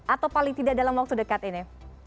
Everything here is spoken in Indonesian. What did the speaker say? atau paling tidak dalam waktu dekat ini